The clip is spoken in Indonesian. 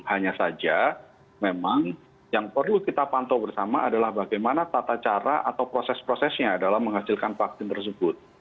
hanya saja memang yang perlu kita pantau bersama adalah bagaimana tata cara atau proses prosesnya dalam menghasilkan vaksin tersebut